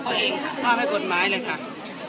น้องแอมไม่เคยไปล้าลานใคร